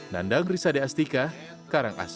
nandang risa deastika karangasem